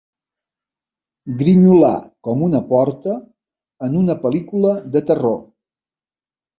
Grinyolar com una porta en una pel·lícula de terror.